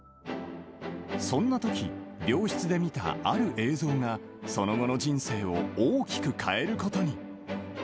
そんなとき、病室で見たある映像が、その後の人生を大きく変えることに。